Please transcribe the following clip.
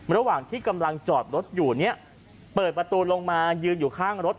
ระหว่างที่กำลังจอดรถอยู่เนี่ยเปิดประตูลงมายืนอยู่ข้างรถ